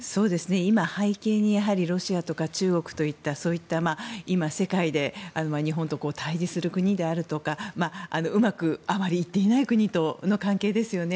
今、背景にロシアとか中国とかそういった今、世界で日本と対峙する国であるとかうまくあまりいっていない国との関係ですよね。